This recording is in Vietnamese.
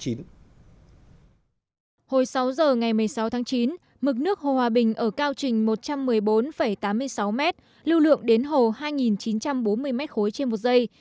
hồi sáu giờ ngày một mươi sáu tháng chín mực nước hồ hòa bình ở cao trình một trăm một mươi bốn tám mươi sáu m lưu lượng đến hồ hai chín trăm bốn mươi m ba trên một giây